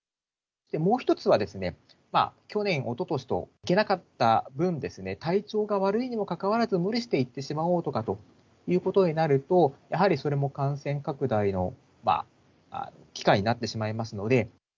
もう一つは、去年、おととしと行けなかった分、体調が悪いにもかかわらず、無理して行ってしまおうとかということになると、やはりそれも感染拡大の機会になってしまいますので。